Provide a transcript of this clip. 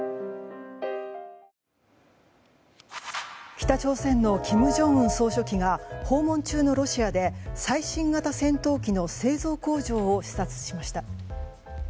北朝鮮の金正恩総書記が訪問中のロシアで最新型戦闘機の製造工場を視察しました。